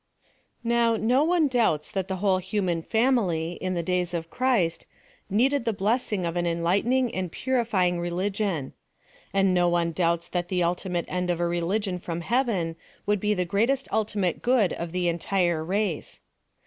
Now, no one doubts that the whole human family, in the days of Christ, needed the blessing of an en lightening and purifying religion. And no one doubts that the ultimate end of a religion from heaven would be the greatest ultimate good of the entire race.